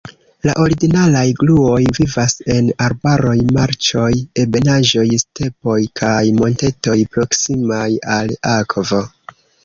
La ordinaraj gruoj vivas en arbaroj, marĉoj, ebenaĵoj, stepoj kaj montetoj proksimaj al akvo.